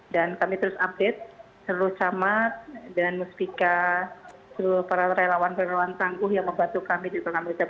dan kami terus update seluruh camat dan musbika seluruh para relawan relawan tangguh yang membantu kami di tengah tengah